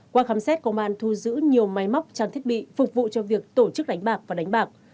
qua khám xét công an thu giữ nhiều máy móc trang thiết bị phục vụ cho việc tổ chức đánh bạc và đánh bạc